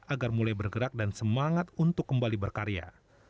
agar mulai bergerak dan semangat untuk kembali berkarya